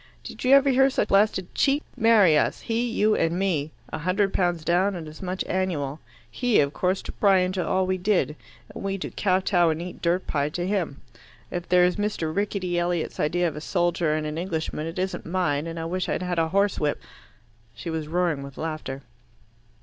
Did you ever hear such blasted cheek? Marry us he, you, and me a hundred pounds down and as much annual he, of course, to pry into all we did, and we to kowtow and eat dirt pie to him. If that's Mr. Rickety Elliot's idea of a soldier and an Englishman, it isn't mine, and I wish I'd had a horse whip." She was roaring with laughter.